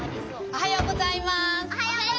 おはようございます！